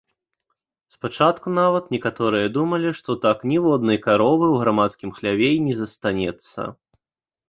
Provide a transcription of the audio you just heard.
Спачатку нават некаторыя думалі, што так ніводнай каровы ў грамадскім хляве і не застанецца.